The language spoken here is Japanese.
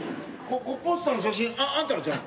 こポスターの写真あんたらちゃうの？